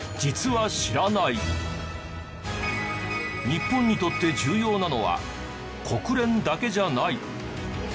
日本にとって重要なのは国連だけじゃない。